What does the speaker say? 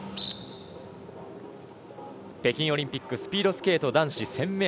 北京オリンピックスピードスケート男子１０００ｍ。